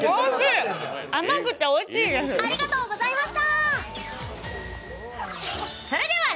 甘くておいしいです。